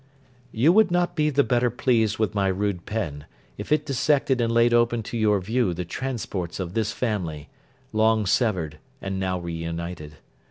You would not be the better pleased with my rude pen, if it dissected and laid open to your view the transports of this family, long severed and now reunited.